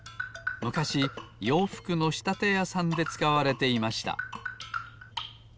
むかしようふくのしたてやさんでつかわれていました。